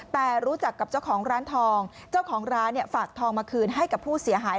แต่รู้จักกับเจ้าของร้านทองเจ้าของร้านเนี่ยฝากทองมาคืนให้กับผู้เสียหาย